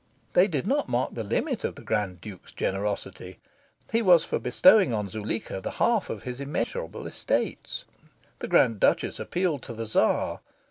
They did not mark the limit of the Grand Duke's generosity. He was for bestowing on Zuleika the half of his immensurable estates. The Grand Duchess appealed to the Tzar.